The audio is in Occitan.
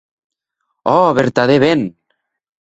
Ò vertadèr ben!